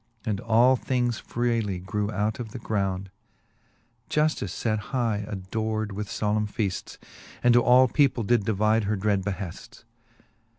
And all things freely grew out of the ground : Juftice late high ador'd with folemne feafts, And to all people did divide her dred beheafts.